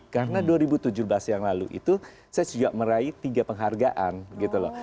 karena dua ribu tujuh belas yang lalu itu saya juga meraih tiga penghargaan gitu loh